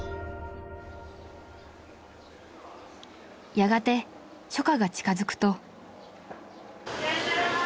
［やがて初夏が近づくと］